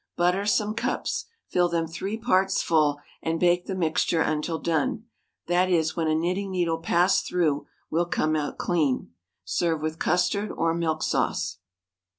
Butter some cups, fill them three parts full, and bake the mixture until done, that is, when a knitting needle passed through will come out clean. Serve with custard or milk sauce.